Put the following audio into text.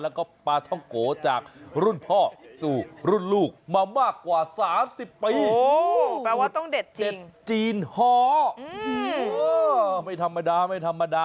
แล้วก็ปลาท่องโกจากรุ่นพ่อสู่รุ่นลูกมามากกว่า๓๐ปี